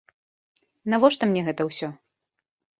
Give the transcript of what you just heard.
Навошта мне гэта ўсё?